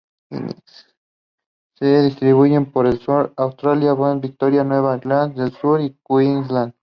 Se distribuyen por el South Australia, Tasmania, Victoria, Nueva Gales del Sur y Queensland.